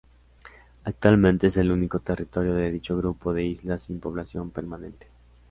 Actualmente, es el único territorio de dicho grupo de islas sin población permanente.